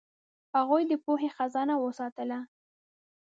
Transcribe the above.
هغوی د پوهې خزانه وساتله.